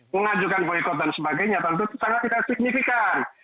mengajukan boykot dan sebagainya tentu sangat tidak signifikan